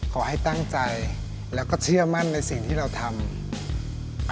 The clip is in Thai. ขอให้ตั้งใจแล้วก็เชื่อมั่นในสิ่งที่เราทำ